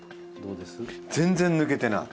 全然抜けてない。